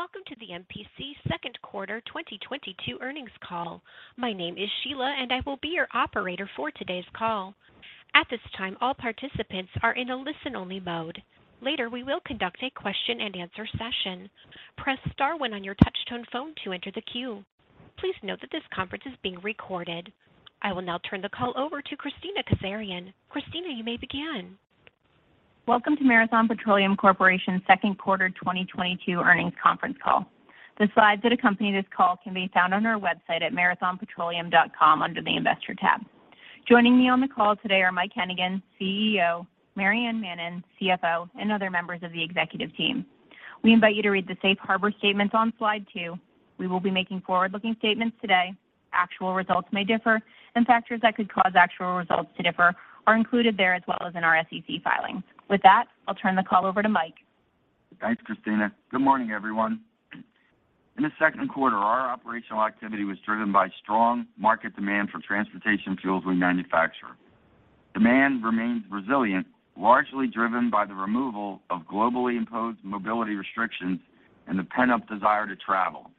Welcome to the MPC second quarter 2022 earnings call. My name is Sheila and I will be your operator for today's call. At this time, all participants are in a listen-only mode. Later, we will conduct a question-and-answer session. Press star one on your touchtone phone to enter the queue. Please note that this conference is being recorded. I will now turn the call over to Kristina Kazarian. Kristina, you may begin. Welcome to Marathon Petroleum Corporation's second quarter 2022 earnings conference call. The slides that accompany this call can be found on our website at marathonpetroleum.com under the Investor tab. Joining me on the call today are Mike Hennigan, CEO, Maryann Mannen, CFO, and other members of the executive team. We invite you to read the safe harbor statements on slide two. We will be making forward-looking statements today. Actual results may differ, and factors that could cause actual results to differ are included there as well as in our SEC filings. With that, I'll turn the call over to Mike. Thanks, Kristina. Good morning, everyone. In the second quarter, our operational activity was driven by strong market demand for transportation fuels we manufacture. Demand remains resilient, largely driven by the removal of globally imposed mobility restrictions and the pent-up desire to travel.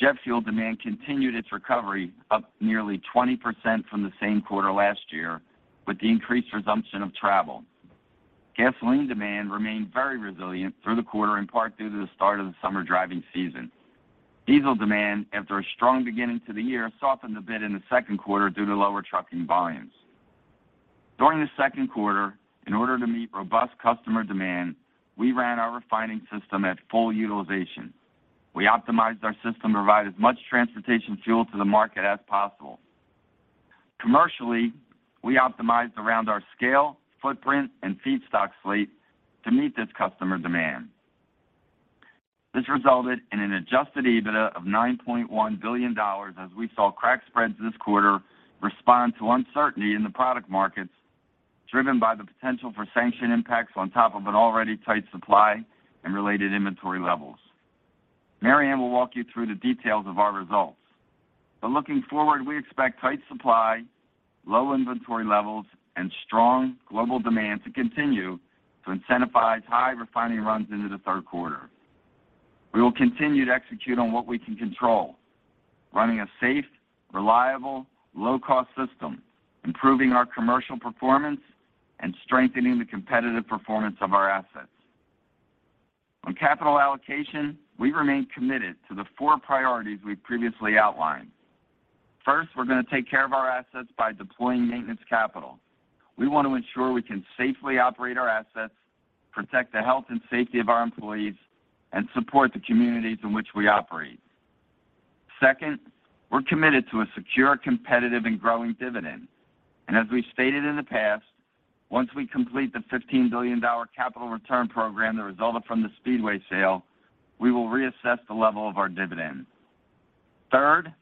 Jet fuel demand continued its recovery, up nearly 20% from the same quarter last year, with the increased resumption of travel. Gasoline demand remained very resilient through the quarter, in part due to the start of the summer driving season. Diesel demand, after a strong beginning to the year, softened a bit in the second quarter due to lower trucking volumes. During the second quarter, in order to meet robust customer demand, we ran our refining system at full utilization. We optimized our system to provide as much transportation fuel to the market as possible. Commercially, we optimized around our scale, footprint, and feedstock slate to meet this customer demand. This resulted in an adjusted EBITDA of $9.1 billion as we saw crack spreads this quarter respond to uncertainty in the product markets, driven by the potential for sanction impacts on top of an already tight supply and related inventory levels. Maryann will walk you through the details of our results. Looking forward, we expect tight supply, low inventory levels, and strong global demand to continue to incentivize high refining runs into the third quarter. We will continue to execute on what we can control, running a safe, reliable, low-cost system, improving our commercial performance, and strengthening the competitive performance of our assets. On capital allocation, we remain committed to the four priorities we've previously outlined. First, we're gonna take care of our assets by deploying maintenance capital. We want to ensure we can safely operate our assets, protect the health and safety of our employees, and support the communities in which we operate. Second, we're committed to a secure, competitive, and growing dividend. As we've stated in the past, once we complete the $15 billion capital return program that resulted from the Speedway sale, we will reassess the level of our dividend. Third,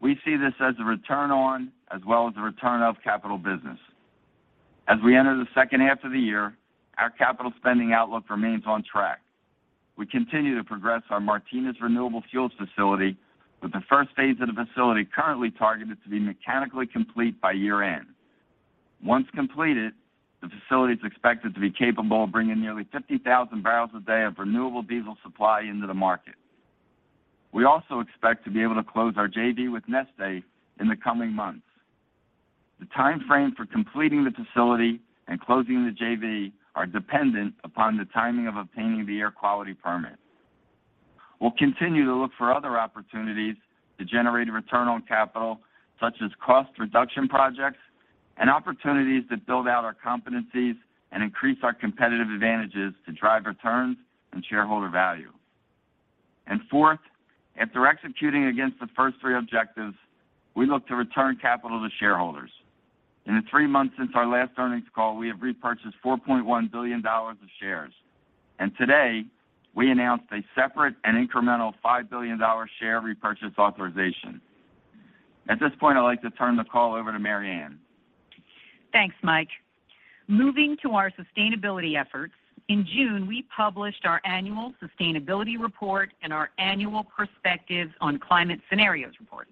we see this as a return on as well as a return of capital business. As we enter the second half of the year, our capital spending outlook remains on track. We continue to progress our Martinez Renewable Fuels facility with the first phase of the facility currently targeted to be mechanically complete by year-end. Once completed, the facility is expected to be capable of bringing nearly 50,000 barrels a day of renewable diesel supply into the market. We also expect to be able to close our JV with Neste in the coming months. The timeframe for completing the facility and closing the JV are dependent upon the timing of obtaining the air quality permit. We'll continue to look for other opportunities to generate a return on capital, such as cost reduction projects and opportunities to build out our competencies and increase our competitive advantages to drive returns and shareholder value. Fourth, after executing against the first three objectives, we look to return capital to shareholders. In the three months since our last earnings call, we have repurchased $4.1 billion of shares. Today, we announced a separate and incremental $5 billion share repurchase authorization. At this point, I'd like to turn the call over to Maryann. Thanks, Mike. Moving to our sustainability efforts, in June, we published our annual sustainability report and our annual perspective on climate scenarios report.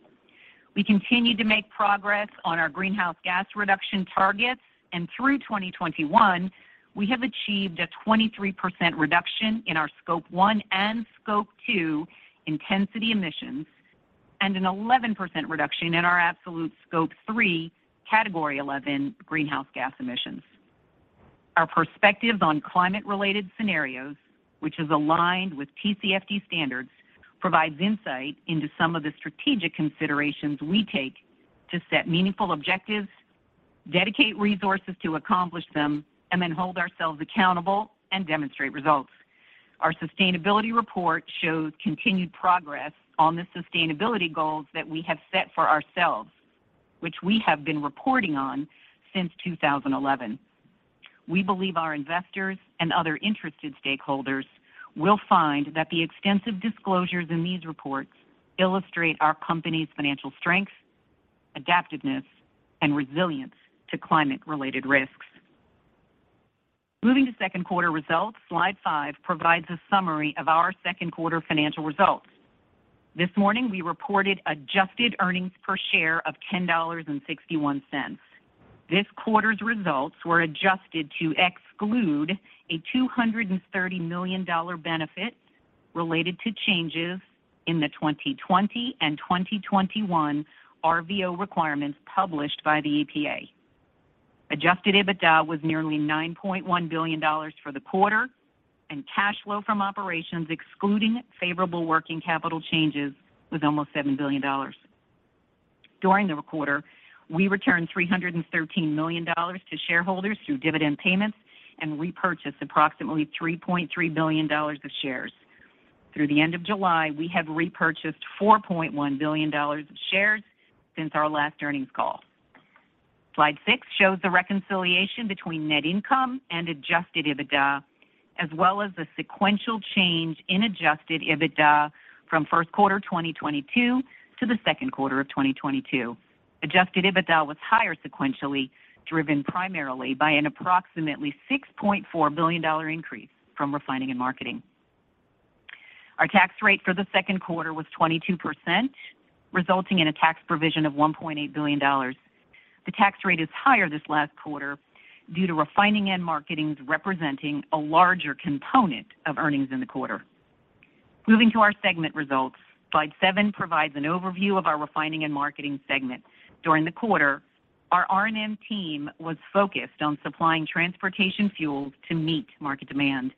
We continue to make progress on our greenhouse gas reduction targets, and through 2021, we have achieved a 23% reduction in our scope one and scope two intensity emissions and an 11% reduction in our absolute scope three category eleven greenhouse gas emissions. Our perspectives on climate-related scenarios, which is aligned with TCFD standards, provides insight into some of the strategic considerations we take to set meaningful objectives, dedicate resources to accomplish them, and then hold ourselves accountable and demonstrate results. Our sustainability report shows continued progress on the sustainability goals that we have set for ourselves, which we have been reporting on since 2011. We believe our investors and other interested stakeholders will find that the extensive disclosures in these reports illustrate our company's financial strength, adaptiveness, and resilience to climate-related risks. Moving to second quarter results, slide five provides a summary of our second quarter financial results. This morning, we reported adjusted earnings per share of $10.61. This quarter's results were adjusted to exclude a $230 million benefit related to changes in the 2020 and 2021 RVO requirements published by the EPA. Adjusted EBITDA was nearly $9.1 billion for the quarter and cash flow from operations excluding favorable working capital changes was almost $7 billion. During the quarter, we returned $313 million to shareholders through dividend payments and repurchased approximately $3.3 billion of shares. Through the end of July, we have repurchased $4.1 billion of shares since our last earnings call. Slide six shows the reconciliation between net income and adjusted EBITDA as well as the sequential change in adjusted EBITDA from first quarter 2022 to the second quarter of 2022. Adjusted EBITDA was higher sequentially, driven primarily by an approximately $6.4 billion dollar increase from Refining & Marketing. Our tax rate for the second quarter was 22%, resulting in a tax provision of $1.8 billion. The tax rate is higher this last quarter due to Refining & Marketing representing a larger component of earnings in the quarter. Moving to our segment results. Slide seven provides an overview of our Refining & Marketing segment. During the quarter, our R&M team was focused on supplying transportation fuels to meet market demand.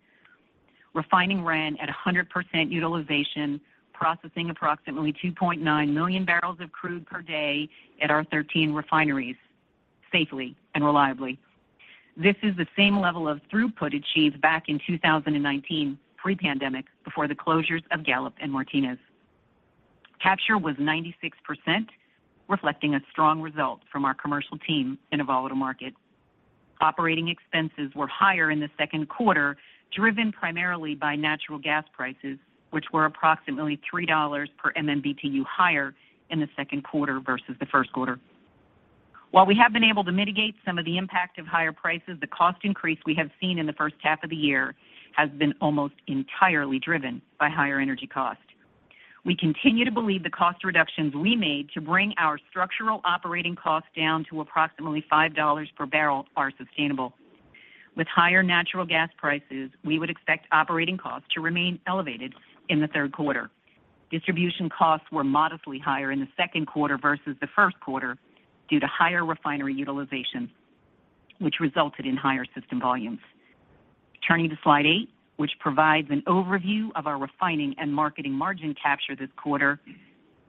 Refining ran at 100% utilization, processing approximately 2.9 million barrels of crude per day at our 13 refineries safely and reliably. This is the same level of throughput achieved back in 2019 pre-pandemic, before the closures of Gallup and Martinez. Capture was 96%, reflecting a strong result from our commercial team in a volatile market. Operating expenses were higher in the second quarter, driven primarily by natural gas prices, which were approximately $3 per MMBtu higher in the second quarter versus the first quarter. While we have been able to mitigate some of the impact of higher prices, the cost increase we have seen in the first half of the year has been almost entirely driven by higher energy costs. We continue to believe the cost reductions we made to bring our structural operating costs down to approximately $5 per barrel are sustainable. With higher natural gas prices, we would expect operating costs to remain elevated in the third quarter. Distribution costs were modestly higher in the second quarter versus the first quarter due to higher refinery utilization, which resulted in higher system volumes. Turning to slide eight, which provides an overview of our Refining & Marketing margin capture this quarter.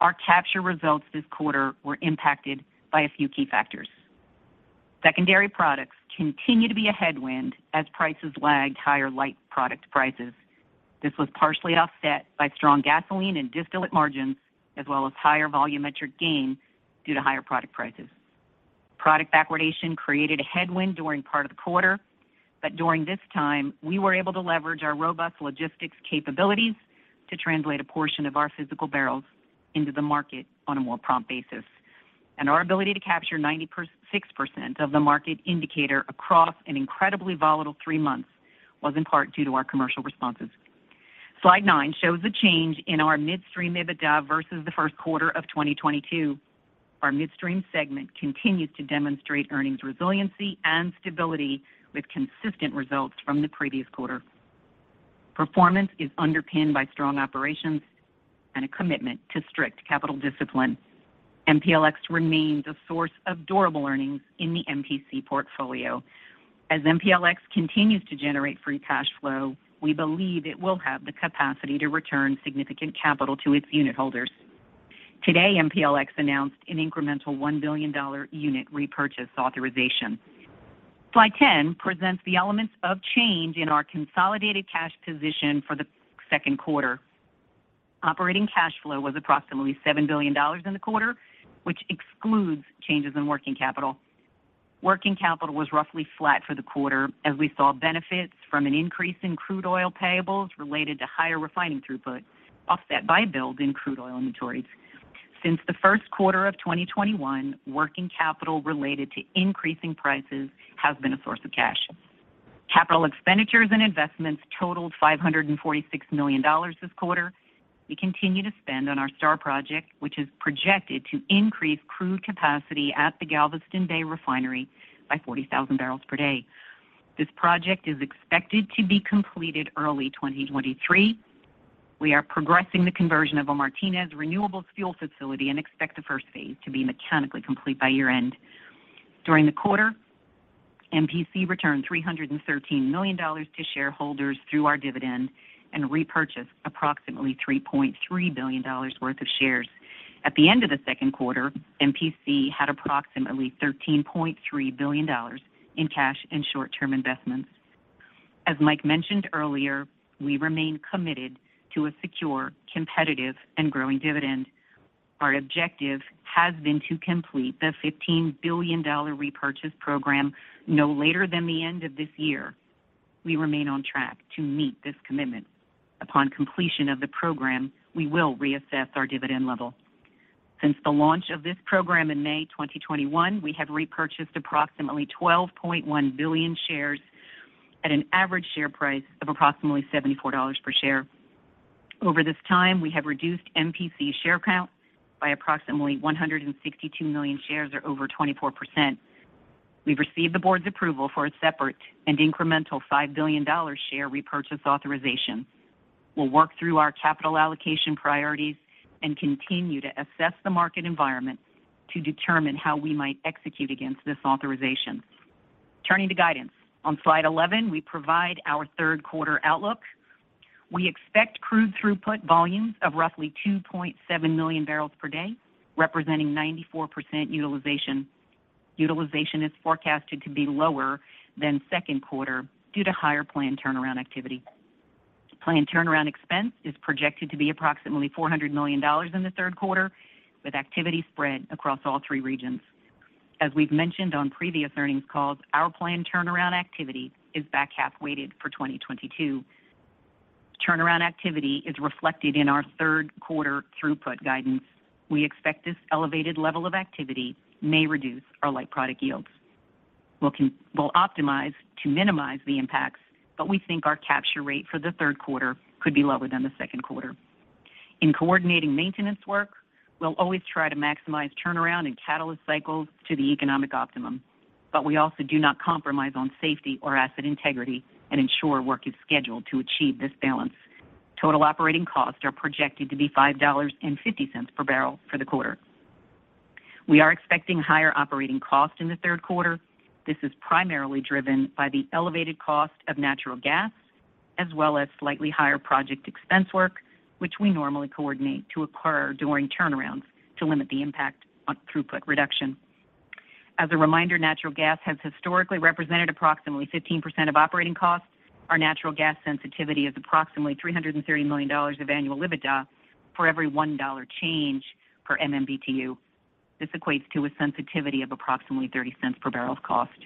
Our capture results this quarter were impacted by a few key factors. Secondary products continue to be a headwind as prices lagged higher light product prices. This was partially offset by strong gasoline and distillate margins as well as higher volumetric gain due to higher product prices. Product backwardation created a headwind during part of the quarter, but during this time, we were able to leverage our robust logistics capabilities to translate a portion of our physical barrels into the market on a more prompt basis. Our ability to capture 96% of the market indicator across an incredibly volatile three months was in part due to our commercial responses. Slide nine shows the change in our Midstream EBITDA versus the first quarter of 2022. Our Midstream segment continues to demonstrate earnings resiliency and stability with consistent results from the previous quarter. Performance is underpinned by strong operations and a commitment to strict capital discipline. MPLX remains a source of durable earnings in the MPC portfolio. As MPLX continues to generate free cash flow, we believe it will have the capacity to return significant capital to its unitholders. Today, MPLX announced an incremental $1 billion unit repurchase authorization. Slide 10 presents the elements of change in our consolidated cash position for the second quarter. Operating cash flow was approximately $7 billion in the quarter, which excludes changes in working capital. Working capital was roughly flat for the quarter as we saw benefits from an increase in crude oil payables related to higher refining throughput, offset by builds in crude oil inventories. Since the first quarter of 2021, working capital related to increasing prices has been a source of cash. Capital expenditures and investments totaled $546 million this quarter. We continue to spend on our STAR project, which is projected to increase crude capacity at the Galveston Bay refinery by 40,000 barrels per day. This project is expected to be completed early 2023. We are progressing the conversion of a Martinez renewables fuel facility and expect the first phase to be mechanically complete by year-end. During the quarter, MPC returned $313 million to shareholders through our dividend and repurchased approximately $3.3 billion worth of shares. At the end of the second quarter, MPC had approximately $13.3 billion in cash and short-term investments. As Mike mentioned earlier, we remain committed to a secure, competitive, and growing dividend. Our objective has been to complete the $15 billion repurchase program no later than the end of this year. We remain on track to meet this commitment. Upon completion of the program, we will reassess our dividend level. Since the launch of this program in May 2021, we have repurchased approximately $12.1 billion in shares at an average share price of approximately $74 per share. Over this time, we have reduced MPC share count by approximately 162 million shares or over 24%. We've received the board's approval for a separate and incremental $5 billion share repurchase authorization. We'll work through our capital allocation priorities and continue to assess the market environment to determine how we might execute against this authorization. Turning to guidance. On slide 11, we provide our third quarter outlook. We expect crude throughput volumes of roughly 2.7 million barrels per day, representing 94% utilization. Utilization is forecasted to be lower than second quarter due to higher planned turnaround activity. Planned turnaround expense is projected to be approximately $400 million in the third quarter, with activity spread across all three regions. As we've mentioned on previous earnings calls, our planned turnaround activity is back half-weighted for 2022. Turnaround activity is reflected in our third quarter throughput guidance. We expect this elevated level of activity may reduce our light product yields. We'll optimize to minimize the impacts, but we think our capture rate for the third quarter could be lower than the second quarter. In coordinating maintenance work, we'll always try to maximize turnaround and catalyst cycles to the economic optimum, but we also do not compromise on safety or asset integrity and ensure work is scheduled to achieve this balance. Total operating costs are projected to be $5.50 per barrel for the quarter. We are expecting higher operating costs in the third quarter. This is primarily driven by the elevated cost of natural gas as well as slightly higher project expense work, which we normally coordinate to occur during turnarounds to limit the impact on throughput reduction. As a reminder, natural gas has historically represented approximately 15% of operating costs. Our natural gas sensitivity is approximately $330 million of annual EBITDA for every $1 change per MMBtu. This equates to a sensitivity of approximately $0.30 per barrel of cost.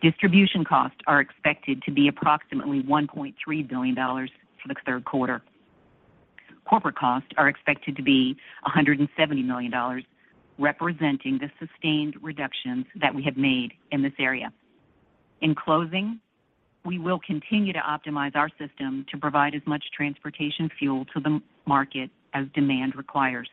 Distribution costs are expected to be approximately $1.3 billion for the third quarter. Corporate costs are expected to be $170 million, representing the sustained reductions that we have made in this area. In closing, we will continue to optimize our system to provide as much transportation fuel to the market as demand requires.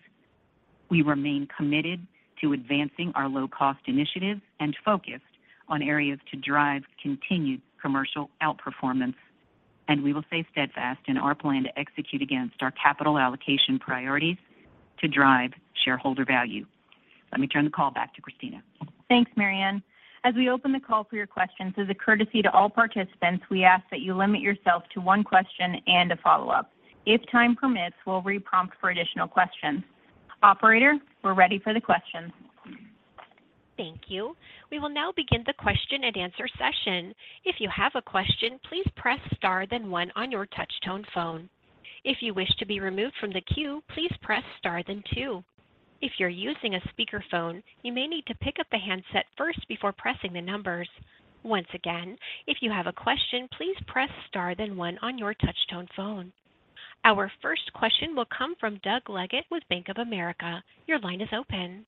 We remain committed to advancing our low-cost initiatives and focused on areas to drive continued commercial outperformance, and we will stay steadfast in our plan to execute against our capital allocation priorities to drive shareholder value. Let me turn the call back to Kristina. Thanks, Maryann. As we open the call for your questions, as a courtesy to all participants, we ask that you limit yourself to one question and a follow-up. If time permits, we'll re-prompt for additional questions. Operator, we're ready for the questions. Thank you. We will now begin the question-and-answer session. If you have a question, please press star, then one on your touch-tone phone. If you wish to be removed from the queue, please press star, then two. If you're using a speakerphone, you may need to pick up the handset first before pressing the numbers. Once again, if you have a question, please press star then one on your touch-tone phone. Our first question will come from Doug Leggate with Bank of America. Your line is open.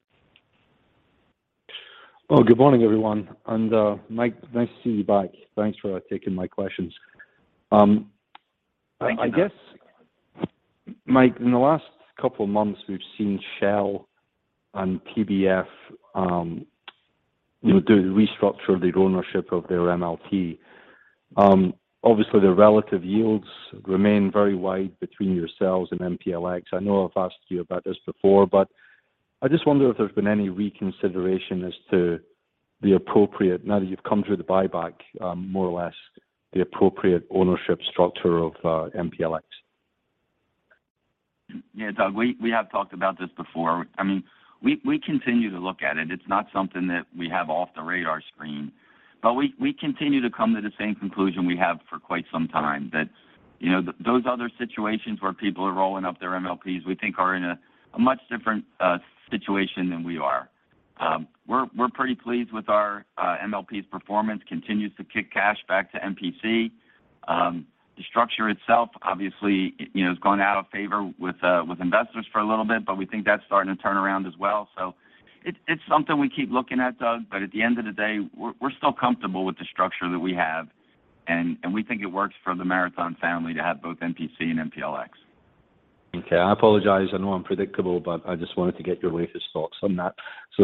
Well, good morning, everyone. Mike, nice to see you back. Thanks for taking my questions. Thank you. I guess, Mike, in the last couple of months, we've seen Shell and PBF, you know, do the restructure of their ownership of their MLP. Obviously their relative yields remain very wide between yourselves and MPLX. I know I've asked you about this before, but I just wonder if there's been any reconsideration as to the appropriate, now that you've come through the buyback, more or less, the appropriate ownership structure of MPLX. Yeah, Doug, we have talked about this before. I mean, we continue to look at it. It's not something that we have off the radar screen, but we continue to come to the same conclusion we have for quite some time that, you know, those other situations where people are rolling up their MLPs, we think are in a much different situation than we are. We're pretty pleased with our MLP's performance, continues to kick cash back to MPC. The structure itself, obviously, you know, has gone out of favor with investors for a little bit, but we think that's starting to turn around as well. It's something we keep looking at, Doug, but at the end of the day, we're still comfortable with the structure that we have, and we think it works for the Marathon family to have both MPC and MPLX. Okay. I apologize. I know I'm predictable, but I just wanted to get your latest thoughts on that.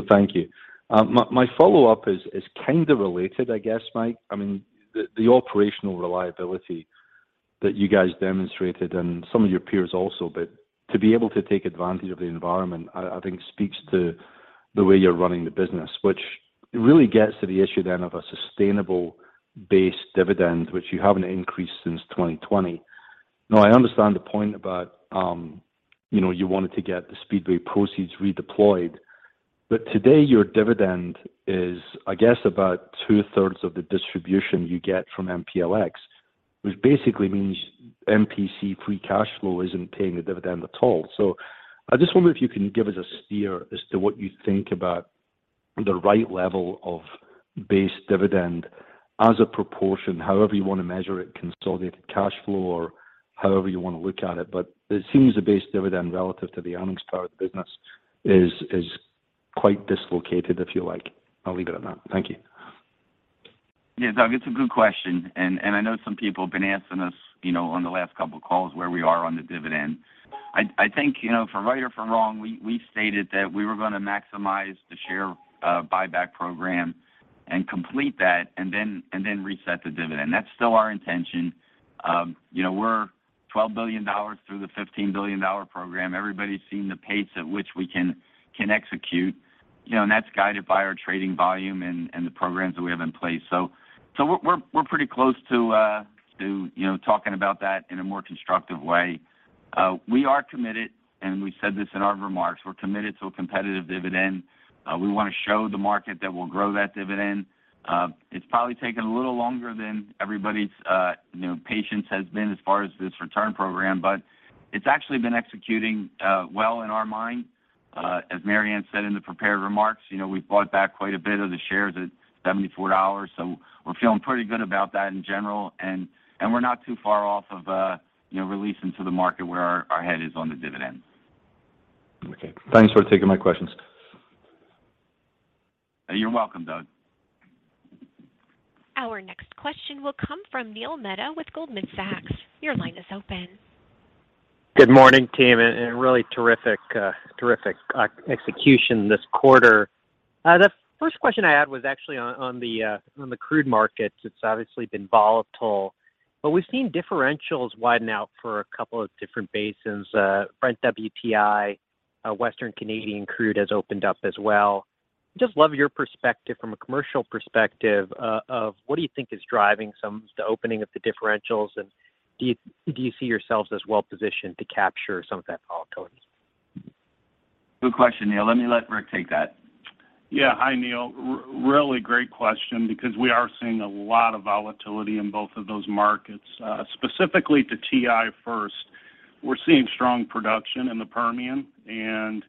Thank you. My follow-up is kind of related, I guess, Mike. I mean the operational reliability that you guys demonstrated and some of your peers also, but to be able to take advantage of the environment, I think speaks to the way you're running the business, which it really gets to the issue then of a sustainable base dividend, which you haven't increased since 2020. Now, I understand the point about, you know, you wanted to get the Speedway proceeds redeployed, but today your dividend is, I guess, about two-thirds of the distribution you get from MPLX, which basically means MPC free cash flow isn't paying the dividend at all. I just wonder if you can give us a steer as to what you think about. The right level of base dividend as a proportion, however you want to measure it, consolidated cash flow or however you want to look at it. It seems the base dividend relative to the earnings power of the business is quite dislocated, if you like. I'll leave it at that. Thank you. Yeah, Doug, it's a good question, and I know some people have been asking us, you know, on the last couple of calls where we are on the dividend. I think, you know, for right or for wrong, we stated that we were going to maximize the share buyback program and complete that and then reset the dividend. That's still our intention. You know, we're $12 billion through the $15 billion program. Everybody's seen the pace at which we can execute, you know, and that's guided by our trading volume and the programs that we have in place. We're pretty close to, you know, talking about that in a more constructive way. We are committed, and we said this in our remarks, we're committed to a competitive dividend. We want to show the market that we'll grow that dividend. It's probably taken a little longer than everybody's, you know, patience has been as far as this return program, but it's actually been executing well in our mind. As Maryann said in the prepared remarks, you know, we've bought back quite a bit of the shares at $74, so we're feeling pretty good about that in general. We're not too far off of, you know, releasing to the market where our head is on the dividend. Okay. Thanks for taking my questions. You're welcome, Doug. Our next question will come from Neil Mehta with Goldman Sachs. Your line is open. Good morning, team, and really terrific execution this quarter. The first question I had was actually on the crude markets. It's obviously been volatile, but we've seen differentials widen out for a couple of different basins. Brent-WTI, Western Canadian Select has opened up as well. Just love your perspective from a commercial perspective of what do you think is driving some of the opening of the differentials, and do you see yourselves as well positioned to capture some of that volatility? Good question, Neil. Let me let Rick take that. Yeah. Hi, Neil. Really great question because we are seeing a lot of volatility in both of those markets. Specifically to WTI first, we're seeing strong production in the Permian and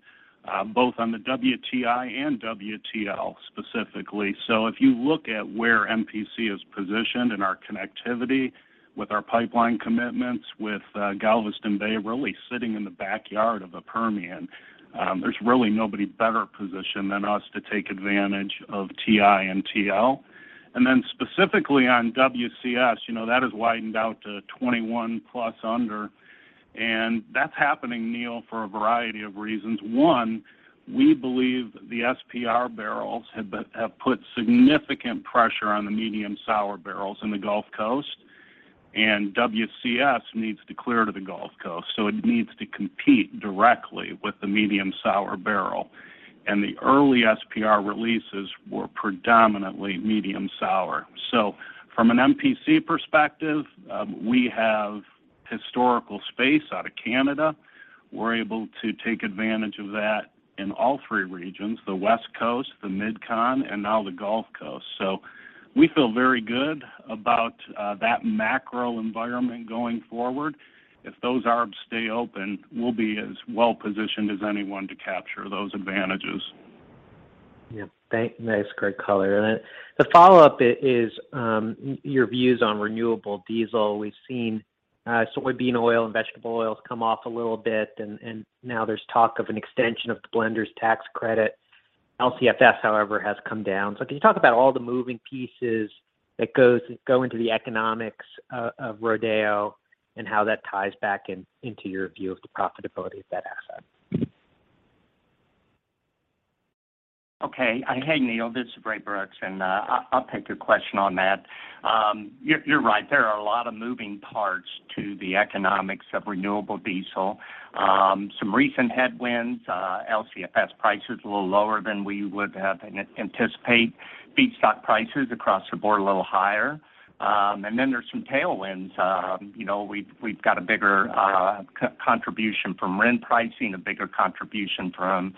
both on the WTI and WTL specifically. If you look at where MPC is positioned in our connectivity with our pipeline commitments, with Galveston Bay really sitting in the backyard of the Permian, there's really nobody better positioned than us to take advantage of WTI and WTL. Then specifically on WCS, you know, that has widened out to 21+ under. That's happening, Neil, for a variety of reasons. One, we believe the SPR barrels have put significant pressure on the medium sour barrels in the Gulf Coast, and WCS needs to clear to the Gulf Coast, so it needs to compete directly with the medium sour barrel. The early SPR releases were predominantly medium sour. From an MPC perspective, we have historical space out of Canada. We're able to take advantage of that in all three regions, the West Coast, the MidCon, and now the Gulf Coast. We feel very good about that macro environment going forward. If those arbs stay open, we'll be as well-positioned as anyone to capture those advantages. Yeah. Thanks. Nice. Great color. The follow-up is your views on Renewable Diesel. We've seen soybean oil and vegetable oils come off a little bit, and now there's talk of an extension of the blender's tax credit. LCFS, however, has come down. Can you talk about all the moving pieces that go into the economics of Martinez and how that ties back in, into your view of the profitability of that asset? Okay. Hey, Neil, this is Ray Brooks, and I'll take your question on that. You're right, there are a lot of moving parts to the economics of Renewable Diesel. Some recent headwinds, LCFS price is a little lower than we would have anticipated. Feedstock prices across the board a little higher. There's some tailwinds. You know, we've got a bigger contribution from RIN pricing, a bigger contribution from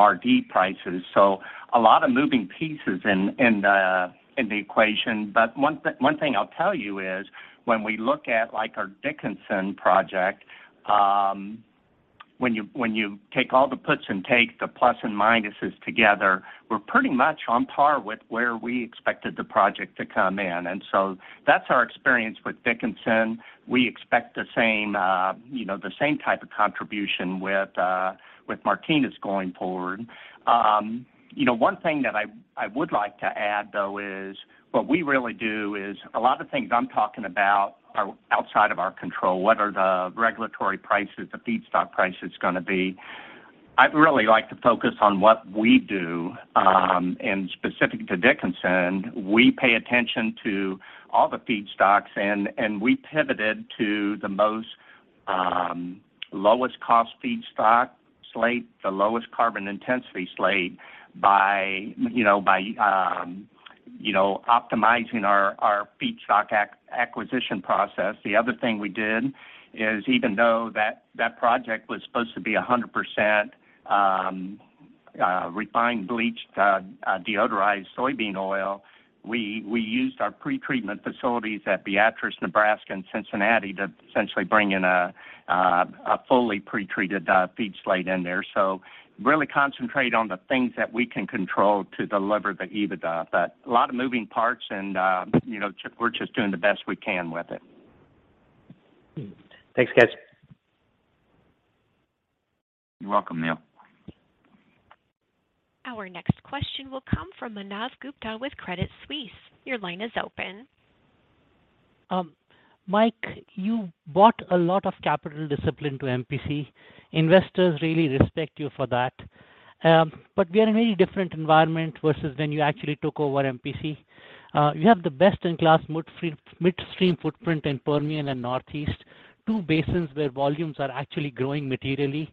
RD prices. A lot of moving pieces in the equation. One thing I'll tell you is when we look at, like, our Dickinson project, when you take all the puts and takes, the plus and minuses together, we're pretty much on par with where we expected the project to come in. That's our experience with Dickinson. We expect the same type of contribution with Martinez going forward. One thing that I would like to add, though, is what we really do is a lot of the things I'm talking about are outside of our control. What are the regulatory prices, the feedstock prices gonna be? I'd really like to focus on what we do. Specific to Dickinson, we pay attention to all the feedstocks, and we pivoted to the most lowest cost feedstock slate, the lowest carbon intensity slate by optimizing our feedstock acquisition process. The other thing we did is even though that project was supposed to be 100% refined, bleached, deodorized soybean oil. We used our pretreatment facilities at Beatrice, Nebraska and Cincinnati to essentially bring in a fully pretreated feed slate in there. Really concentrate on the things that we can control to deliver the EBITDA. A lot of moving parts and, you know, we're just doing the best we can with it. Thanks, guys. You're welcome, Neil. Our next question will come from Manav Gupta with Credit Suisse. Your line is open. Mike, you brought a lot of capital discipline to MPC. Investors really respect you for that. We are in a very different environment versus when you actually took over MPC. You have the best-in-class midstream footprint in Permian and Northeast, two basins where volumes are actually growing materially.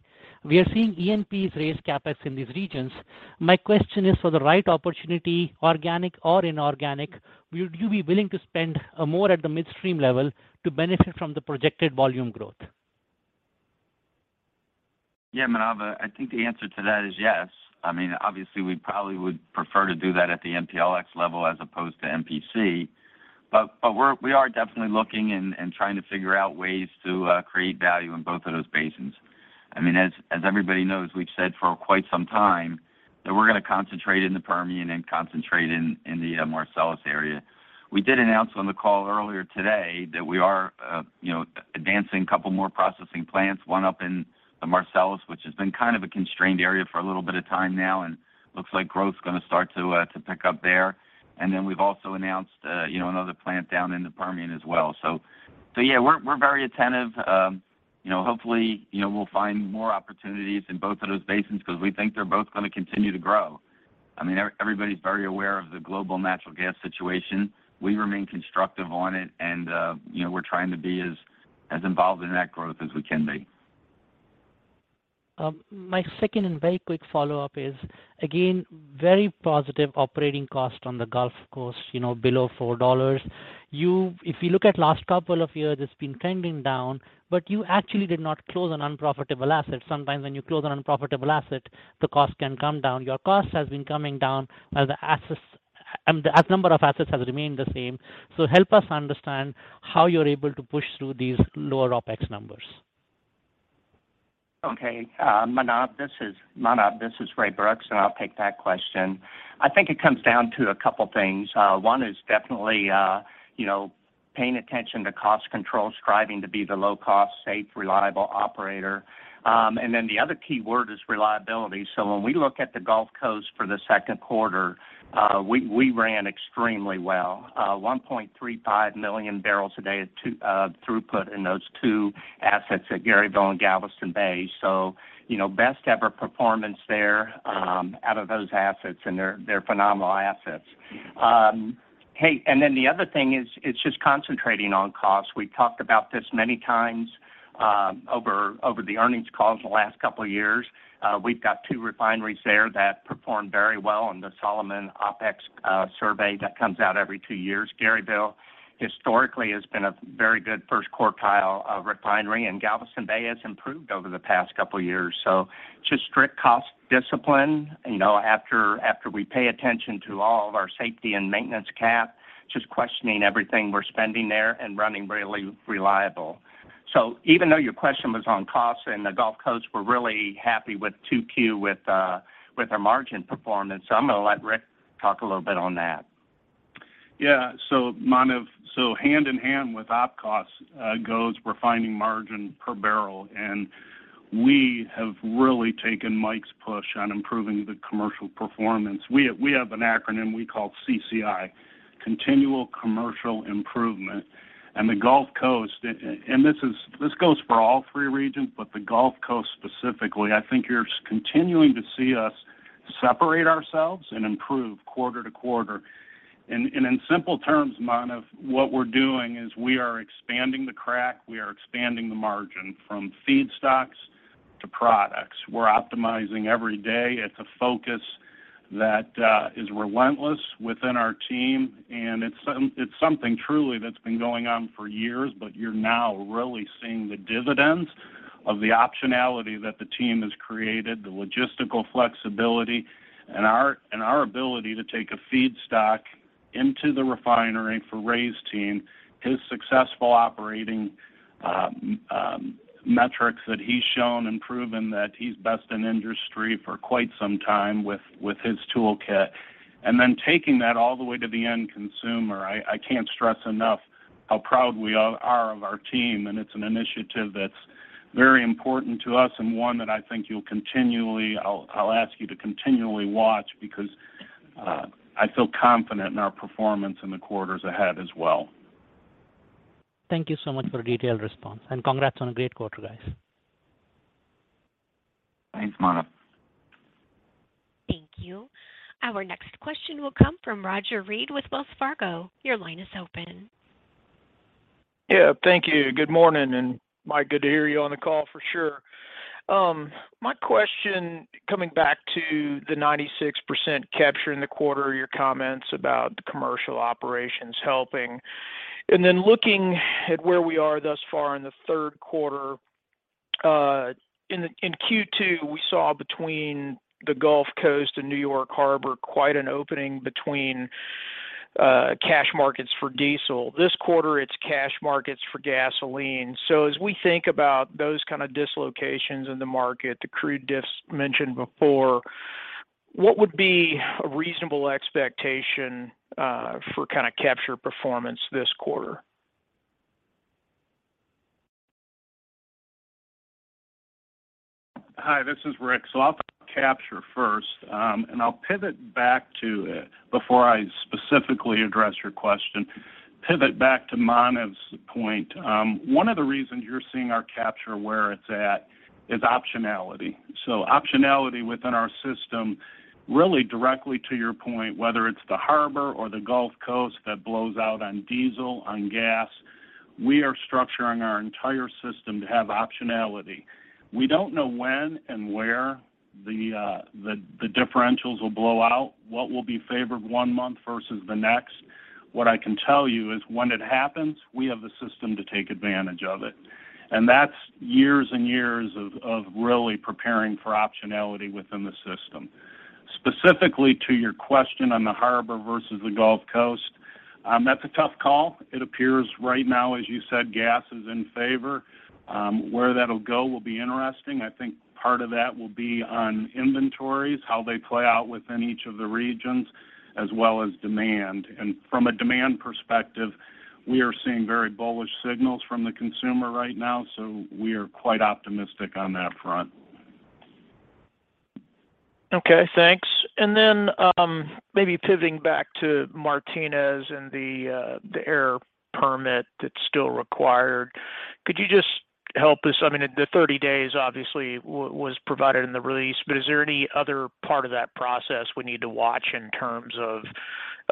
We are seeing E&Ps raise CapEx in these regions. My question is, for the right opportunity, organic or inorganic, would you be willing to spend more at the midstream level to benefit from the projected volume growth? Yeah. Manav, I think the answer to that is yes. I mean, obviously we probably would prefer to do that at the MPLX level as opposed to MPC. We are definitely looking and trying to figure out ways to create value in both of those basins. I mean, as everybody knows, we've said for quite some time that we're gonna concentrate in the Permian and concentrate in the Marcellus area. We did announce on the call earlier today that we are you know, advancing a couple more processing plants, one up in the Marcellus, which has been kind of a constrained area for a little bit of time now, and looks like growth's gonna start to pick up there. Then we've also announced you know, another plant down in the Permian as well. Yeah, we're very attentive. You know, hopefully, you know, we'll find more opportunities in both of those basins 'cause we think they're both gonna continue to grow. I mean, everybody's very aware of the global natural gas situation. We remain constructive on it and, you know, we're trying to be as involved in that growth as we can be. My second and very quick follow-up is, again, very positive operating cost on the Gulf Coast, you know, below $4. If you look at last couple of years, it's been trending down, but you actually did not close an unprofitable asset. Sometimes when you close an unprofitable asset, the cost can come down. Your cost has been coming down as the number of assets has remained the same. Help us understand how you're able to push through these lower OpEx numbers. Manav, this is Ray Brooks, and I'll take that question. I think it comes down to a couple things. One is definitely you know paying attention to cost control, striving to be the low-cost, safe, reliable operator. Then the other key word is reliability. When we look at the Gulf Coast for the second quarter, we ran extremely well. 1.35 million barrels a day throughput in those two assets at Garyville and Galveston Bay. You know best ever performance there out of those assets, and they're phenomenal assets. Hey, the other thing is, it's just concentrating on costs. We talked about this many times over the earnings calls in the last couple of years. We've got two refineries there that performed very well on the Solomon OpEx survey that comes out every two years. Garyville historically has been a very good first quartile refinery, and Galveston Bay has improved over the past couple of years. Just strict cost discipline, you know, after we pay attention to all of our safety and maintenance CapEx, just questioning everything we're spending there and running really reliable. Even though your question was on costs in the Gulf Coast, we're really happy with 2Q with our margin performance. I'm gonna let Rick talk a little bit on that. Yeah. Manav, hand in hand with Op costs goes refining margin per barrel, and we have really taken Mike's push on improving the commercial performance. We have an acronym we call CCI, Continual Commercial Improvement. The Gulf Coast, this goes for all three regions, but the Gulf Coast specifically, I think you're continuing to see us separate ourselves and improve quarter to quarter. In simple terms, Manav, what we're doing is we are expanding the crack, we are expanding the margin from feedstocks to products. We're optimizing every day. It's a focus that is relentless within our team, and it's something truly that's been going on for years, but you're now really seeing the dividends of the optionality that the team has created, the logistical flexibility and our ability to take a feedstock into the refinery for Ray's team, his successful operating metrics that he's shown and proven that he's best in industry for quite some time with his toolkit, and then taking that all the way to the end consumer. I can't stress enough how proud we are of our team, and it's an initiative that's very important to us and one that I think I'll ask you to continually watch because I feel confident in our performance in the quarters ahead as well. Thank you so much for the detailed response, and congrats on a great quarter, guys. Thanks, Manav. Thank you. Our next question will come from Roger Read with Wells Fargo. Your line is open. Yeah. Thank you. Good morning. Mike, good to hear you on the call for sure. My question coming back to the 96% capture in the quarter, your comments about the commercial operations helping. Looking at where we are thus far in the third quarter, in Q2, we saw between the Gulf Coast and New York Harbor quite an opening between cash markets for diesel. This quarter, it's cash markets for gasoline. As we think about those kind of dislocations in the market, the crude diffs mentioned before, what would be a reasonable expectation for kind of capture performance this quarter? Hi, this is Rick. I'll capture first, and I'll pivot back to it before I specifically address your question. Pivot back to Manav's point. One of the reasons you're seeing our capture where it's at is optionality. Optionality within our system, really directly to your point, whether it's the harbor or the Gulf Coast that blows out on diesel, on gas, we are structuring our entire system to have optionality. We don't know when and where the differentials will blow out, what will be favored one month versus the next. What I can tell you is when it happens, we have the system to take advantage of it. That's years and years of really preparing for optionality within the system. Specifically to your question on the harbor versus the Gulf Coast, that's a tough call. It appears right now, as you said, gas is in favor. Where that'll go will be interesting. I think part of that will be on inventories, how they play out within each of the regions, as well as demand. From a demand perspective, we are seeing very bullish signals from the consumer right now, so we are quite optimistic on that front. Okay, thanks. Maybe pivoting back to Martinez and the air permit that's still required. Could you just help us? I mean, the 30 days obviously was provided in the release, but is there any other part of that process we need to watch in terms of,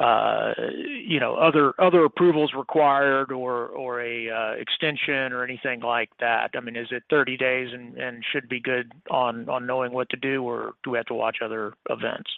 you know, other approvals required or a extension or anything like that? I mean, is it 30 days and should be good on knowing what to do or do we have to watch other events?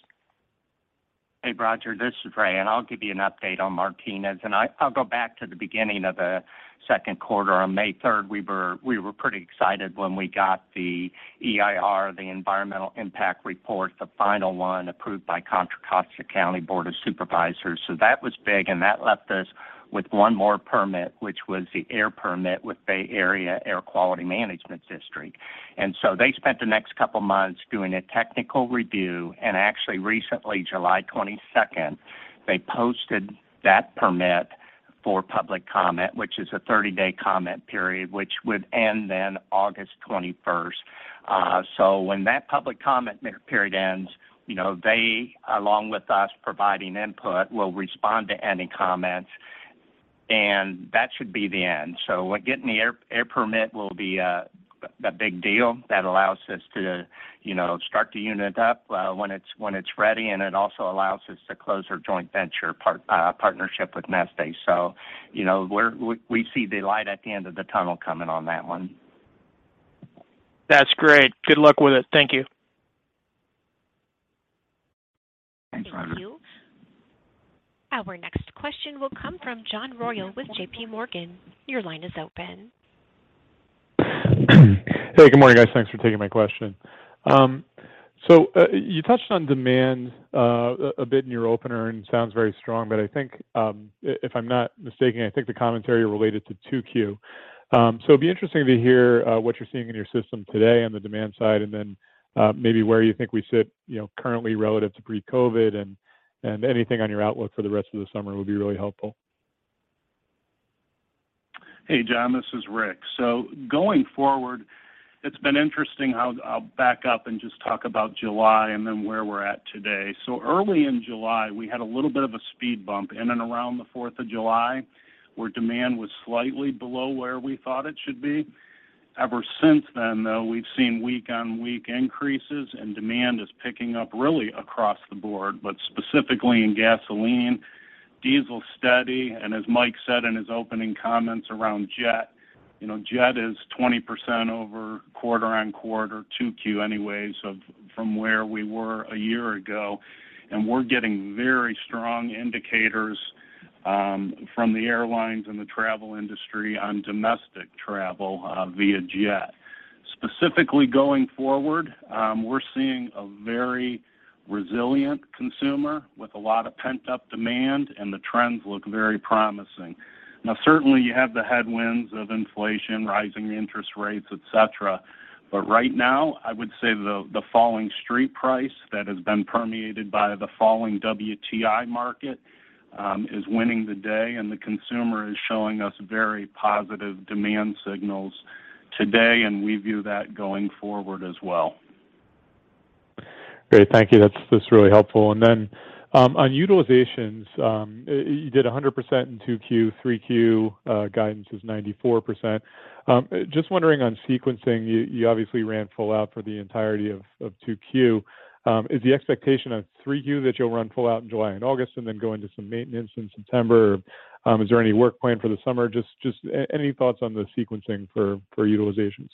Hey, Roger, this is Ray, and I'll give you an update on Martinez. I'll go back to the beginning of the second quarter. On May third, we were pretty excited when we got the EIR, the Environmental Impact Report, the final one approved by Contra Costa County Board of Supervisors. That was big, and that left us with one more permit, which was the air permit with Bay Area Air Quality Management District. They spent the next couple months doing a technical review. Actually recently, July twenty-second, they posted that permit for public comment, which is a 30-day comment period, which would end then August twenty-first. When that public comment period ends, you know, they, along with us providing input, will respond to any comments, and that should be the end. Getting the air permit will be a big deal that allows us to, you know, start the unit up when it's ready, and it also allows us to close our joint venture partnership with Neste. You know, we see the light at the end of the tunnel coming on that one. That's great. Good luck with it. Thank you. Thanks, Roger. Thank you. Our next question will come from John Royall with JPMorgan. Your line is open. Hey, good morning, guys. Thanks for taking my question. You touched on demand a bit in your opener and sounds very strong, but I think, if I'm not mistaken, I think the commentary related to 2Q. It'd be interesting to hear what you're seeing in your system today on the demand side and then maybe where you think we sit, you know, currently relative to pre-COVID and anything on your outlook for the rest of the summer would be really helpful. Hey, John, this is Rick. Going forward, it's been interesting. I'll back up and just talk about July and then where we're at today. Early in July, we had a little bit of a speed bump in and around the Fourth of July, where demand was slightly below where we thought it should be. Ever since then, though, we've seen week-over-week increases and demand is picking up really across the board, but specifically in gasoline, diesel steady, and as Mike said in his opening comments around jet. You know, jet is 20% over quarter-over-quarter, 2Q anyways from where we were a year ago. We're getting very strong indicators from the airlines and the travel industry on domestic travel via jet. Specifically going forward, we're seeing a very resilient consumer with a lot of pent-up demand, and the trends look very promising. Now, certainly you have the headwinds of inflation, rising interest rates, et cetera. Right now, I would say the falling street price that has been permeated by the falling WTI market is winning the day and the consumer is showing us very positive demand signals today, and we view that going forward as well. Great. Thank you. That's really helpful. On utilizations, you did 100% in 2Q. 3Q guidance is 94%. Just wondering on sequencing, you obviously ran full out for the entirety of 2Q. Is the expectation of 3Q that you'll run full out in July and August and then go into some maintenance in September? Or, is there any work plan for the summer? Just any thoughts on the sequencing for utilizations?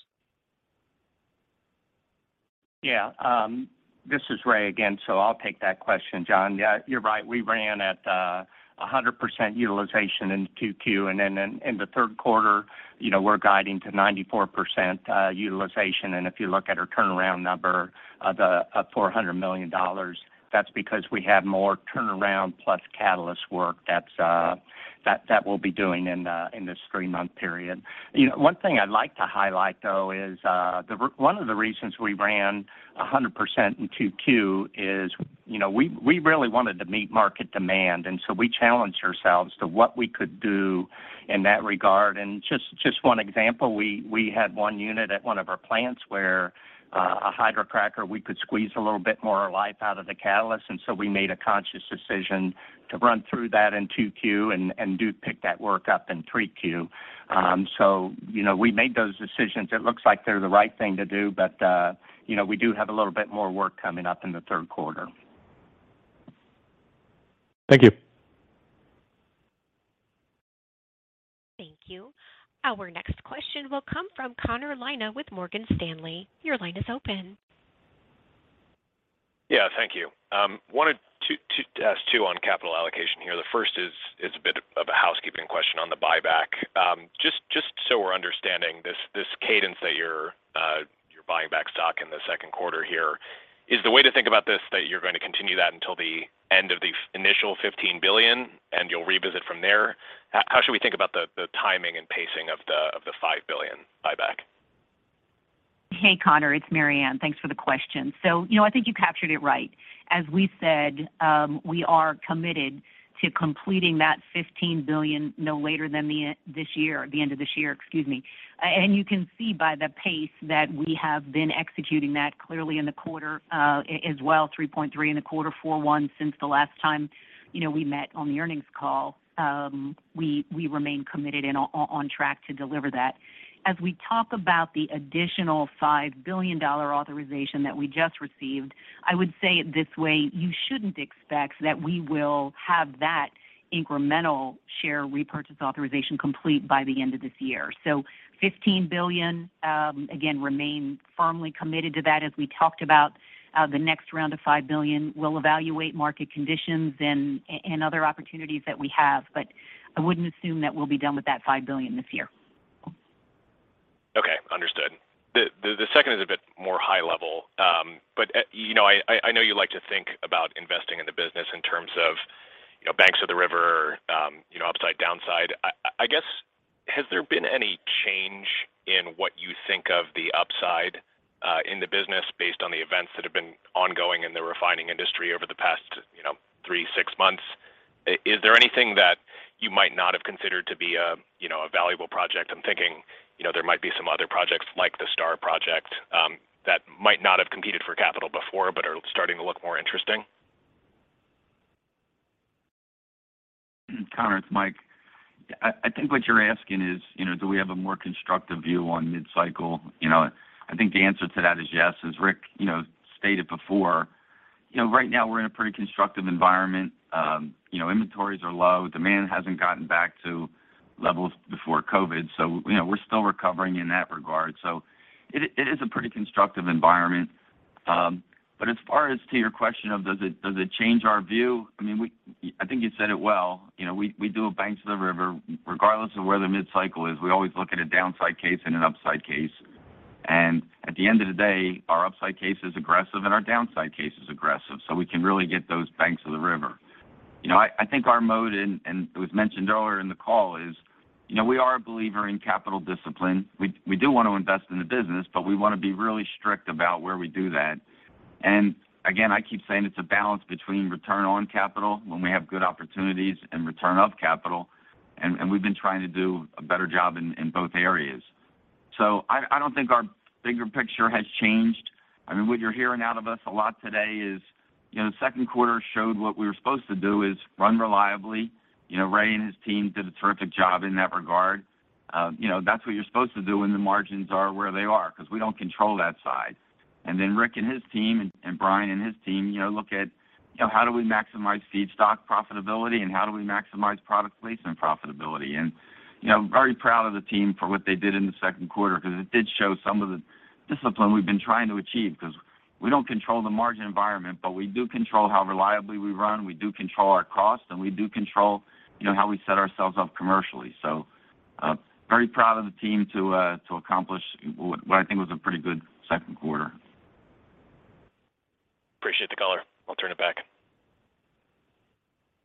This is Ray Brooks again, so I'll take that question, John Royal. Yeah, you're right. We ran at 100% utilization in 2Q. Then in the third quarter, you know, we're guiding to 94% utilization. If you look at our turnaround number of $400 million, that's because we have more turnaround plus catalyst work that's that we'll be doing in this three-month period. You know, one thing I'd like to highlight though is one of the reasons we ran 100% in 2Q is, you know, we really wanted to meet market demand, and so we challenged ourselves to what we could do in that regard. Just one example, we had one unit at one of our plants where a hydrocracker, we could squeeze a little bit more life out of the catalyst, and so we made a conscious decision to run through that in 2Q and do pick that work up in 3Q. So, you know, we made those decisions. It looks like they're the right thing to do, but you know, we do have a little bit more work coming up in the third quarter. Thank you. Thank you. Our next question will come from Connor Lynagh with Morgan Stanley. Your line is open. Yeah, thank you. Wanted to ask too on capital allocation here. The first is a bit of a housekeeping question on the buyback. Just so we're understanding this cadence that you're buying back stock in the second quarter here. Is the way to think about this that you're gonna continue that until the end of the initial $15 billion, and you'll revisit from there? How should we think about the timing and pacing of the $5 billion buyback? Hey, Connor, it's Maryann. Thanks for the question. You know, I think you captured it right. As we said, we are committed to completing that $15 billion no later than this year, the end of this year, excuse me. You can see by the pace that we have been executing that clearly in the quarter, as well, $3.3 billion in the quarter, $4.1 billion since the last time, you know, we met on the earnings call. We remain committed and on track to deliver that. As we talk about the additional $5 billion authorization that we just received, I would say it this way, you shouldn't expect that we will have that incremental share repurchase authorization complete by the end of this year. $15 billion, again, remain firmly committed to that as we talked about. The next round of $5 billion, we'll evaluate market conditions and other opportunities that we have, but I wouldn't assume that we'll be done with that $5 billion this year. Okay. Understood. The second is a bit more high level. But you know, I know you like to think about investing in the business in terms of, you know, banks of the river, you know, upside, downside. I guess, has there been any change in what you think of the upside in the business based on the events that have been ongoing in the refining industry over the past, you know, three, six months? Is there anything that you might not have considered to be a, you know, a valuable project? I'm thinking, you know, there might be some other projects like the STAR project that might not have competed for capital before but are starting to look more interesting. Connor, it's Mike. I think what you're asking is, you know, do we have a more constructive view on mid-cycle? You know, I think the answer to that is yes. As Rick, you know, stated before, you know, right now we're in a pretty constructive environment. You know, inventories are low. Demand hasn't gotten back to levels before COVID. You know, we're still recovering in that regard. It is a pretty constructive environment. As far as to your question of does it change our view? I mean, I think you said it well. You know, we do a banks of the river regardless of where the mid-cycle is. We always look at a downside case and an upside case. At the end of the day, our upside case is aggressive and our downside case is aggressive, so we can really get those banks of the river. You know, I think our model, and it was mentioned earlier in the call, is, you know, we are a believer in capital discipline. We do wanna invest in the business, but we wanna be really strict about where we do that. Again, I keep saying it's a balance between return on capital when we have good opportunities and return of capital, and we've been trying to do a better job in both areas. I don't think our bigger picture has changed. I mean, what you're hearing out of us a lot today is, you know, the second quarter showed what we were supposed to do is run reliably. You know, Ray and his team did a terrific job in that regard. You know, that's what you're supposed to do when the margins are where they are 'cause we don't control that side. Then Rick and his team and Brian and his team, you know, look at, you know, how do we maximize feedstock profitability and how do we maximize product placement profitability? You know, very proud of the team for what they did in the second quarter because it did show some of the discipline we've been trying to achieve. 'Cause we don't control the margin environment, but we do control how reliably we run, we do control our cost, and we do control, you know, how we set ourselves up commercially. Very proud of the team to accomplish what I think was a pretty good second quarter. Appreciate the color. I'll turn it back.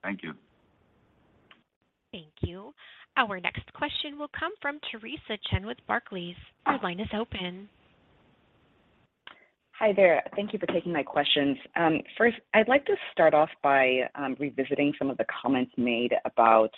Thank you. Thank you. Our next question will come from Theresa Chen with Barclays. Your line is open. Hi there. Thank you for taking my questions. First, I'd like to start off by revisiting some of the comments made about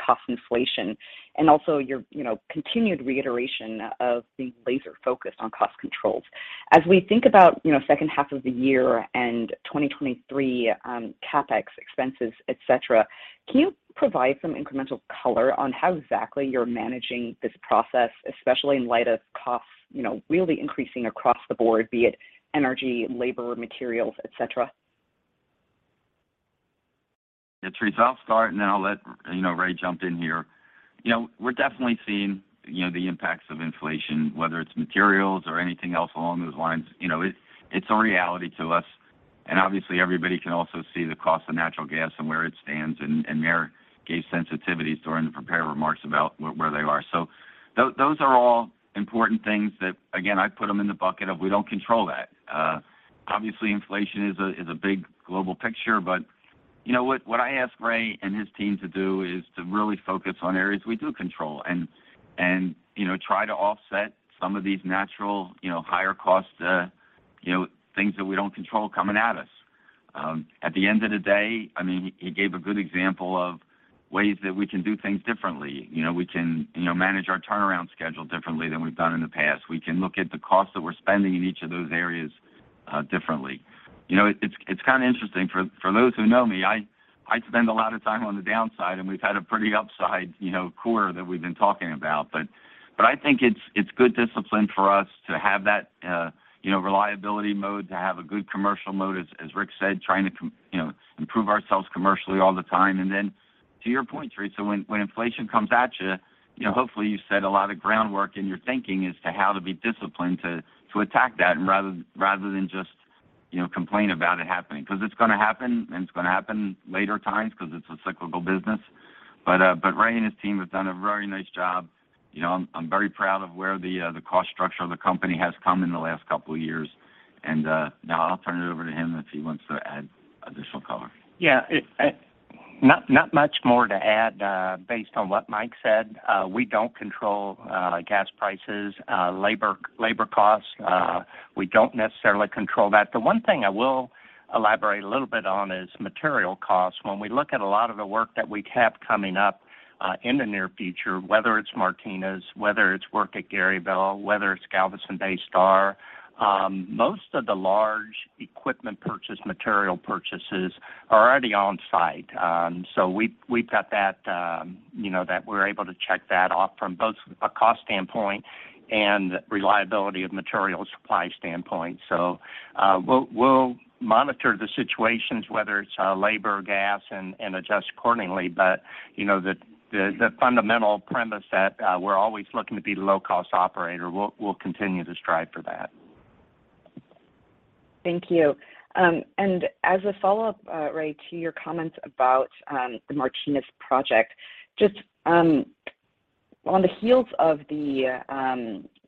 cost inflation and also your, you know, continued reiteration of the laser focus on cost controls. As we think about, you know, second half of the year and 2023, CapEx expenses, et cetera, can you provide some incremental color on how exactly you're managing this process, especially in light of costs, you know, really increasing across the board, be it energy, labor, materials, et cetera? Yeah, Theresa, I'll start, and then I'll let you know, Ray jump in here. You know, we're definitely seeing you know, the impacts of inflation, whether it's materials or anything else along those lines. You know, it's a reality to us, and obviously everybody can also see the cost of natural gas and where it stands. Marianne gave sensitivities during the prepared remarks about where they are. Those are all important things that, again, I put them in the bucket of we don't control that. Obviously, inflation is a big global picture. You know what I ask Ray and his team to do is to really focus on areas we do control and, you know, try to offset some of these natural, you know, higher costs, you know, things that we don't control coming at us. At the end of the day, I mean, he gave a good example of ways that we can do things differently. You know, we can, you know, manage our turnaround schedule differently than we've done in the past. We can look at the costs that we're spending in each of those areas differently. You know, it's kind of interesting for those who know me, I spend a lot of time on the downside, and we've had a pretty upside, you know, quarter that we've been talking about. I think it's good discipline for us to have that, you know, reliability mode, to have a good commercial mode, as Rick said, trying to, you know, improve ourselves commercially all the time. To your point, Theresa, when inflation comes at you know, hopefully you set a lot of groundwork in your thinking as to how to be disciplined to attack that rather than just, you know, complain about it happening because it's gonna happen and it's gonna happen later times because it's a cyclical business. Ray and his team have done a very nice job. You know, I'm very proud of where the cost structure of the company has come in the last couple of years. Now I'll turn it over to him if he wants to add additional color. Yeah. Not much more to add based on what Mike said. We don't control gas prices, labor costs. We don't necessarily control that. The one thing I will elaborate a little bit on is material costs. When we look at a lot of the work that we have coming up in the near future, whether it's Martinez, whether it's work at Garyville, whether it's Galveston Bay STAR, most of the large equipment purchase, material purchases are already on site. So we've got that, you know, that we're able to check that off from both a cost standpoint and reliability of materials supply standpoint. We'll monitor the situations, whether it's labor or gas and adjust accordingly. You know, the fundamental premise that we're always looking to be low-cost operator. We'll continue to strive for that. Thank you. As a follow-up, Ray, to your comments about the Martinez project, just on the heels of the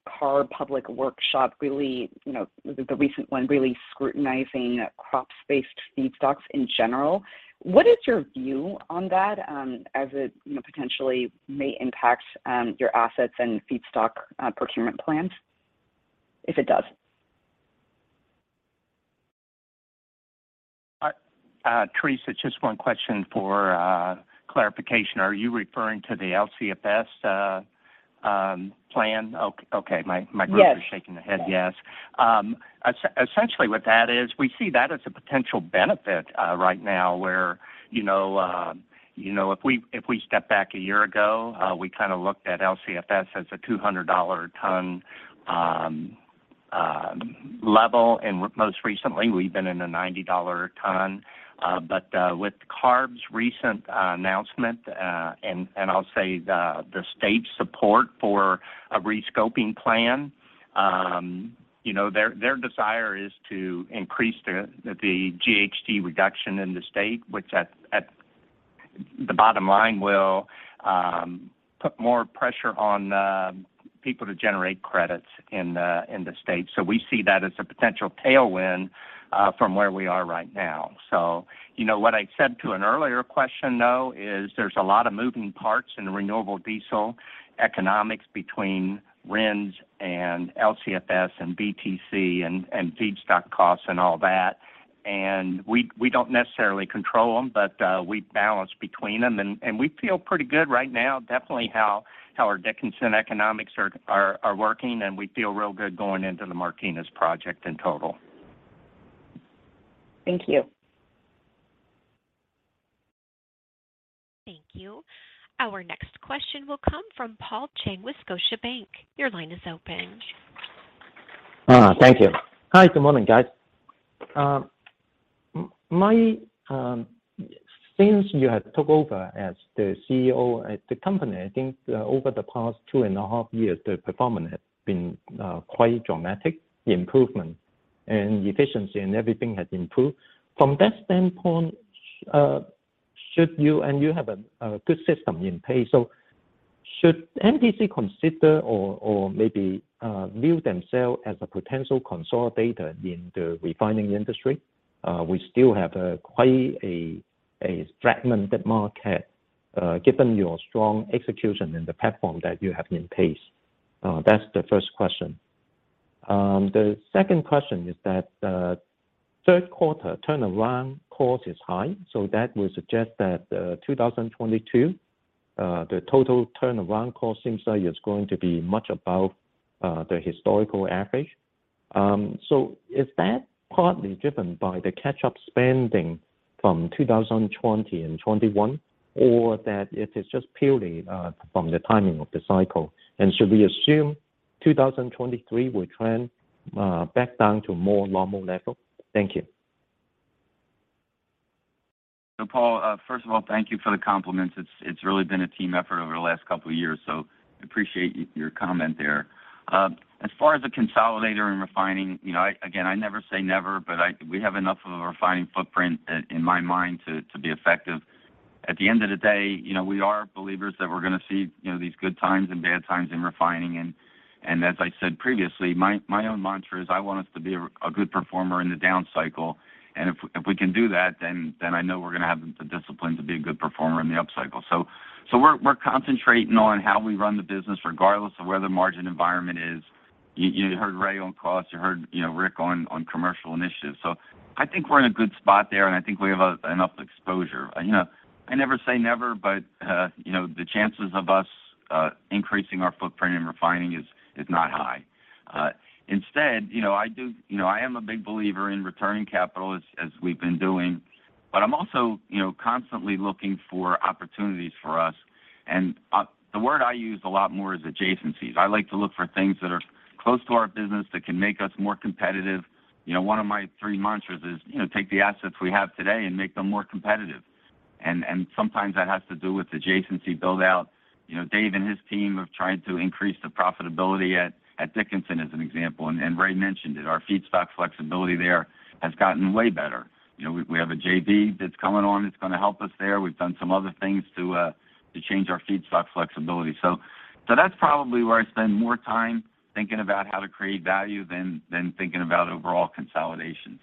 CARB public workshop, really, you know, the recent one really scrutinizing crops-based feedstocks in general. What is your view on that, as it, you know, potentially may impact your assets and feedstock procurement plans, if it does? Theresa, just one question for clarification. Are you referring to the LCFS plan? Okay. My, Yes. The group is shaking their head yes. Essentially what that is, we see that as a potential benefit right now where, you know, you know, if we step back a year ago, we kind of looked at LCFS as a $200/ton level, and most recently we've been in a $90/ton. But with CARB's recent announcement, and I'll say the state support for a rescoping plan, you know, their desire is to increase the GHG reduction in the state, which at the bottom line will put more pressure on people to generate credits in the state. We see that as a potential tailwind from where we are right now. You know, what I said to an earlier question, though, is there's a lot of moving parts in renewable diesel economics between RINS and LCFS and BTC and feedstock costs and all that. We don't necessarily control them, but we balance between them and we feel pretty good right now, definitely how our Dickinson economics are working, and we feel real good going into the Martinez project in total. Thank you. Thank you. Our next question will come from Paul Cheng with Scotiabank. Your line is open. Thank you. Hi, good morning, guys. Since you have took over as the CEO at the company, I think over the past 2.5 years, the performance has been quite dramatic improvement and efficiency and everything has improved. From that standpoint, should you have a good system in place. Should MPC consider or maybe view themselves as a potential consolidator in the refining industry? We still have quite a fragmented market, given your strong execution in the platform that you have in place. That's the first question. The second question is that third quarter turnaround cost is high, so that would suggest that 2022 the total turnaround cost seems like it's going to be much above the historical average. is that partly driven by the catch-up spending from 2020 and 2021, or that it is just purely from the timing of the cycle? Should we assume 2023 will trend back down to a more normal level. Thank you. Paul, first of all, thank you for the compliments. It's really been a team effort over the last couple years, so appreciate your comment there. As far as the consolidation and refining, you know, again, I never say never, but we have enough of a refining footprint in my mind to be effective. At the end of the day, you know, we are believers that we're gonna see, you know, these good times and bad times in refining. As I said previously, my own mantra is I want us to be a good performer in the down cycle. If we can do that, then I know we're gonna have the discipline to be a good performer in the up cycle. We're concentrating on how we run the business, regardless of where the margin environment is. You heard Ray on costs, you heard, you know, Rick on commercial initiatives. I think we're in a good spot there, and I think we have enough exposure. You know, I never say never, but you know, the chances of us increasing our footprint in refining is not high. Instead, you know, I am a big believer in returning capital, as we've been doing, but I'm also, you know, constantly looking for opportunities for us. The word I use a lot more is adjacencies. I like to look for things that are close to our business that can make us more competitive. You know, one of my three mantras is, you know, take the assets we have today and make them more competitive. Sometimes that has to do with adjacency build-out. You know, Dave and his team have tried to increase the profitability at Dickinson, as an example, and Ray mentioned it. Our feedstock flexibility there has gotten way better. You know, we have a JV that's coming on that's gonna help us there. We've done some other things to change our feedstock flexibility. That's probably where I spend more time thinking about how to create value than thinking about overall consolidation.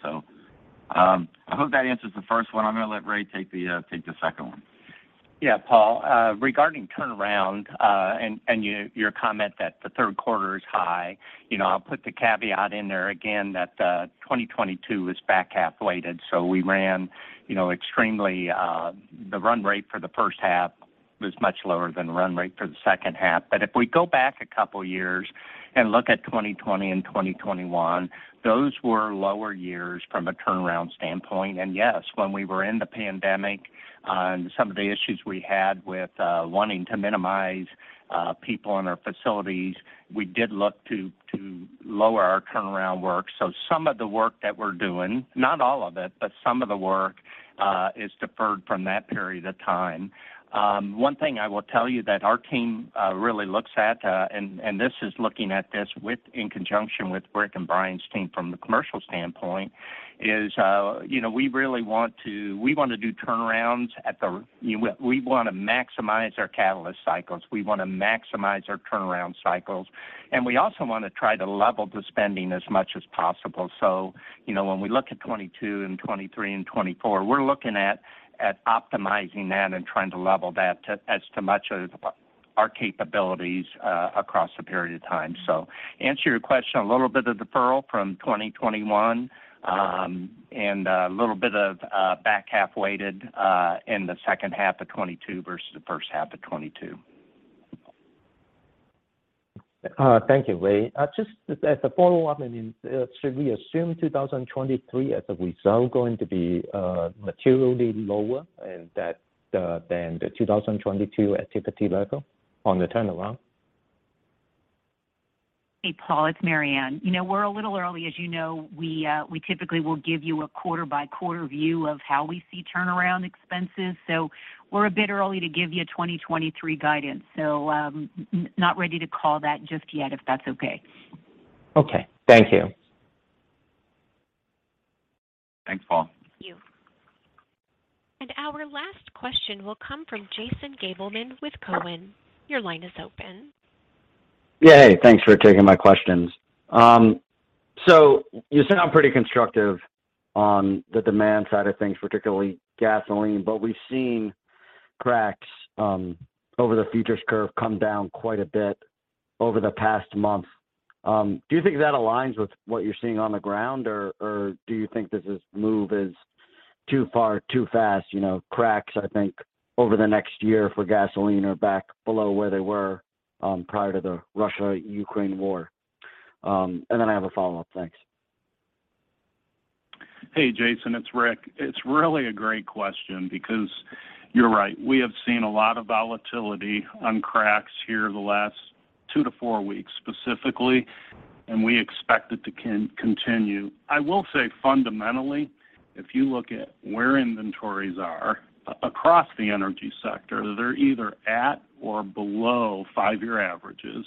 I hope that answers the first one. I'm gonna let Ray take the second one. Yeah, Paul, regarding turnaround, and your comment that the third quarter is high, you know, I'll put the caveat in there again that 2022 is back-half weighted. We ran, you know, extremely, the run rate for the first half was much lower than run rate for the second half. If we go back a couple years and look at 2020 and 2021, those were lower years from a turnaround standpoint. Yes, when we were in the pandemic, and some of the issues we had with wanting to minimize people in our facilities, we did look to lower our turnaround work. Some of the work that we're doing, not all of it, but some of the work is deferred from that period of time. One thing I will tell you that our team really looks at, and this is looking at this within conjunction with Rick and Brian's team from the commercial standpoint is, you know, we really want to, we wanna do turnarounds at the. We wanna maximize our catalyst cycles. We wanna maximize our turnaround cycles. We also wanna try to level the spending as much as possible. You know, when we look at 2022 and 2023 and 2024, we're looking at optimizing that and trying to level that to as much as our capabilities across a period of time. To answer your question, a little bit of deferral from 2021, and a little bit of back-half weighted in the second half of 2022 versus the first half of 2022. Thank you, Ray. Just as a follow-up, I mean, should we assume 2023 as a result going to be materially lower in that than the 2022 activity level on the turnaround? Hey, Paul, it's Maryann. You know, we're a little early. As you know, we typically will give you a quarter-by-quarter view of how we see turnaround expenses. We're a bit early to give you 2023 guidance. Not ready to call that just yet, if that's okay. Okay. Thank you. Thanks, Paul. Thank you. Our last question will come from Jason Gabelman with Cowen. Your line is open. Yeah. Hey, thanks for taking my questions. So you sound pretty constructive on the demand side of things, particularly gasoline, but we've seen cracks over the futures curve come down quite a bit over the past month. Do you think that aligns with what you're seeing on the ground, or do you think this move is too far, too fast? You know, cracks, I think, over the next year for gasoline are back below where they were prior to the Russia-Ukraine war. And then I have a follow-up. Thanks. Hey, Jason, it's Rick. It's really a great question because you're right. We have seen a lot of volatility on cracks here the last two to four weeks specifically, and we expect it to continue. I will say fundamentally, if you look at where inventories are across the energy sector, they're either at or below five-year averages.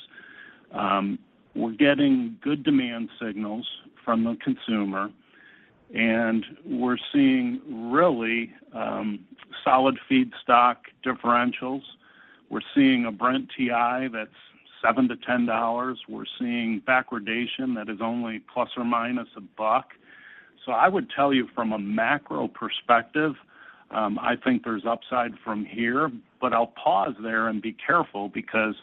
We're getting good demand signals from the consumer, and we're seeing really solid feedstock differentials. We're seeing a Brent-WTI that's $7-$10. We're seeing backwardation that is only ± a buck. So I would tell you from a macro perspective, I think there's upside from here, but I'll pause there and be careful because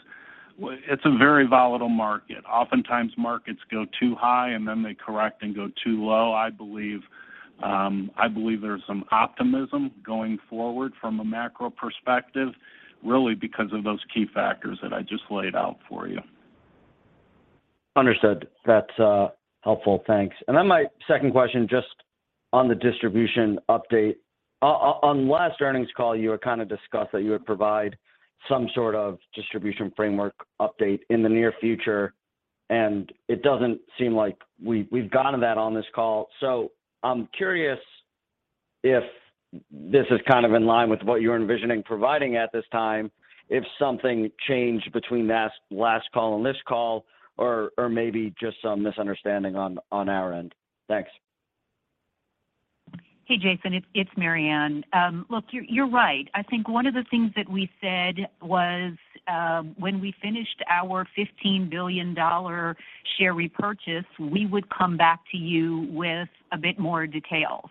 it's a very volatile market. Oftentimes, markets go too high, and then they correct and go too low. I believe there's some optimism going forward from a macro perspective, really because of those key factors that I just laid out for you. Understood. That's helpful. Thanks. My second question, just on the distribution update. On last earnings call, you kind of discussed that you would provide some sort of distribution framework update in the near future, and it doesn't seem like we've gotten that on this call. I'm curious if this is kind of in line with what you're envisioning providing at this time, if something changed between last call and this call or maybe just some misunderstanding on our end. Thanks. Hey, Jason Gabelman. It's Maryann Mannen. Look, you're right. I think one of the things that we said was when we finished our $15 billion share repurchase, we would come back to you with a bit more detail.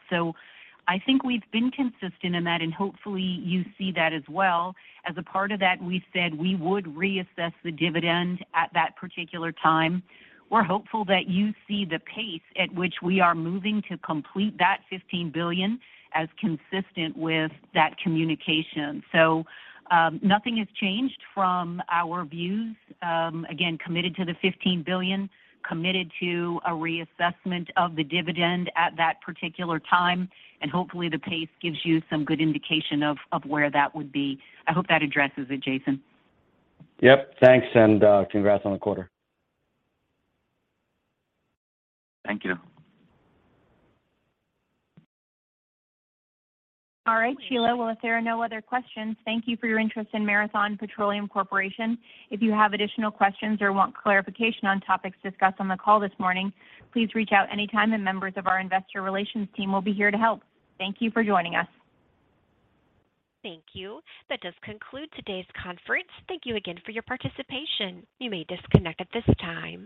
I think we've been consistent in that, and hopefully you see that as well. As a part of that, we said we would reassess the dividend at that particular time. We're hopeful that you see the pace at which we are moving to complete that $15 billion as consistent with that communication. Nothing has changed from our views. Again, committed to the $15 billion, committed to a reassessment of the dividend at that particular time, and hopefully the pace gives you some good indication of where that would be. I hope that addresses it, Jason Gabelman. Yep. Thanks and congrats on the quarter. Thank you. All right, Sheila. Well, if there are no other questions, thank you for your interest in Marathon Petroleum Corporation. If you have additional questions or want clarification on topics discussed on the call this morning, please reach out anytime, and members of our investor relations team will be here to help. Thank you for joining us. Thank you. That does conclude today's conference. Thank you again for your participation. You may disconnect at this time.